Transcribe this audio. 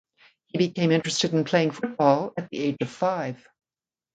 He became interested in playing football at the age of five.